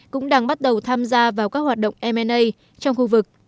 cũng đang bắt đầu tham gia vào các hoạt động m a trong khu vực